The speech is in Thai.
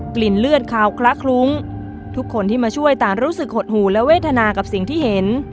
ลิ่นเลือดคาวคละคลุ้งทุกคนที่มาช่วยต่างรู้สึกหดหูและเวทนากับสิ่งที่เห็น